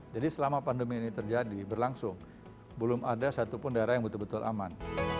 jadi selama pandemi ini terjadi berlangsung belum ada satupun daerah yang betul betul aman